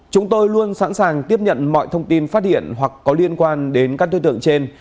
chúng tôi luôn sẵn sàng tiếp nhận mọi thông tin phát hiện hoặc có liên quan đến các đối tượng trên